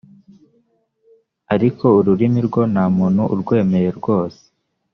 ariko ururimi rwo nta muntu uruemya rwose